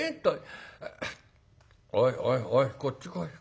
おいおいおいこっち来い。